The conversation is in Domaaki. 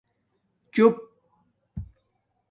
چُپ